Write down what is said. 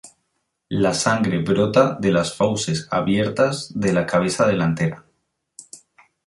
La sangre brota de las fauces abiertas de la cabeza delantera.